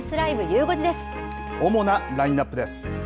主なラインナップです。